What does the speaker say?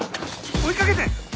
追いかけて！